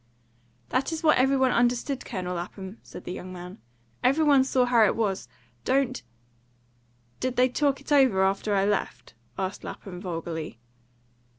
"That is what every one understood, Colonel Lapham," said the young man. "Every one saw how it was. Don't " "Did they talk it over after I left?" asked Lapham vulgarly.